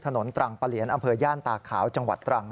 ตรังปะเหลียนอำเภอย่านตาขาวจังหวัดตรัง